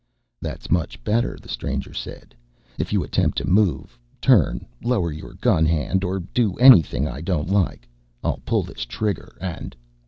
"That's much better," the stranger said. "If you attempt to move, turn, lower your gun hand or do anything I don't like I'll pull this trigger and...."